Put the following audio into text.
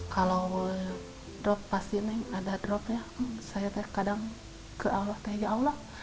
kalau drop pasti ada drop ya saya kadang ke allah ya allah